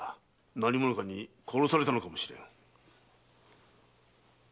何者かに殺されたのかもしれぬ。